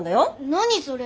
何それ。